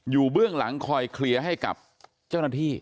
เบื้องหลังคอยเคลียร์ให้กับเจ้าหน้าที่